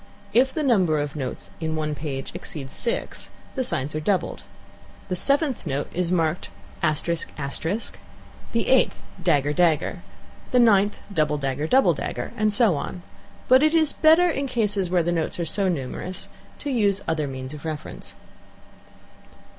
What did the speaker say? If the number of notes in one page exceeds six, the signs are doubled. The seventh note is marked thus: ; the eighth, [dagger character][dagger character]; the ninth, [double dagger character][double dagger character]; and so on. But it is better, in cases where the notes are so numerous, to use other means of reference.